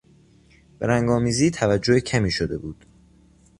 به رنگآمیزی توجه کمی شده بود.